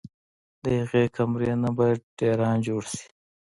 د هغې کمرې نه به ډېران جوړ شي